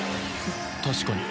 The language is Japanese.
確かに。